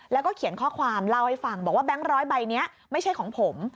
แล้วก็เขียนข้อความเล่าให้ฟังบอกว่าแบงค์ร้อยใบนี้ไม่ใช่ของผม